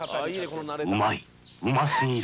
うまいうますぎる。